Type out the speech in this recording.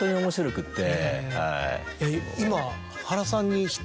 今。